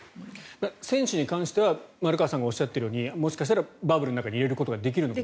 選手に関しては丸川さんがおっしゃっているようにバブルの中に入れることができるのかも。